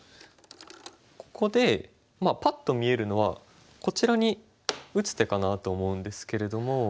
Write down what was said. ここでパッと見えるのはこちらに打つ手かなと思うんですけれども。